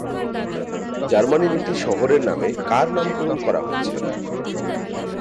জার্মানির একটি শহরের নামে কার নামকরণ করা হয়েছে?